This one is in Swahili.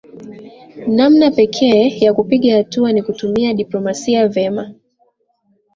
Namna pekee ya kupiga hatua ni kutumia diplomasia vema